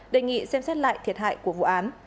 đề nghị xem xét lại thiệt hại của vụ án